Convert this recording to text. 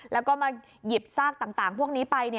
แล้วก็มาหยิบซากต่างพวกนี้ไป